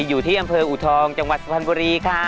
อยู่ที่อำเภออูทองจังหวัดสุพรรณบุรีค่ะ